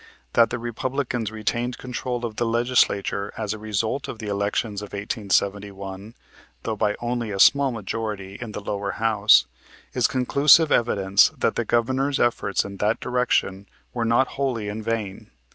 That the Republicans retained control of the Legislature as a result of the elections of 1871, though by only a small majority in the lower house, is conclusive evidence that the Governor's efforts in that direction were not wholly in vain.